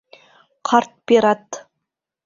ҠАРТ ПИРАТ